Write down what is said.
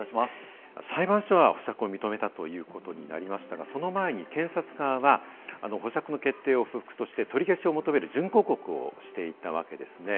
裁判所は保釈を認めたということになりましたが、その前に検察側は保釈の決定を不服として取り消しを求める準抗告をしていたわけですよね。